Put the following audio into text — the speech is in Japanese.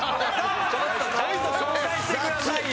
ちょっとちゃんと紹介してくださいよ！